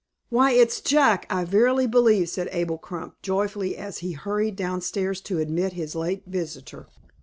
"Why, it's Jack, I verily believe," said Abel Crump, joyfully, as he hurried down stairs to admit his late visitor.